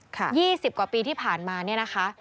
๒๐กว่าปีที่ผ่านมาเนี่ยนะคะ